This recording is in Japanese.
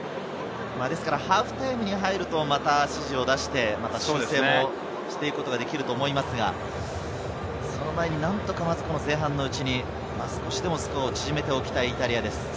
ハーフタイムに入ると指示を出していくことができるんですが、その前になんとか前半のうちに少しでもスコアを縮めておきたいイタリアです。